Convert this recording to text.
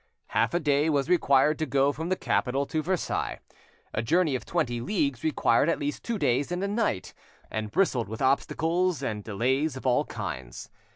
Half a day was required to go from the capital to Versailles; a journey of twenty leagues required at least two days and a night, and bristled with obstacles ind delays of all kinds.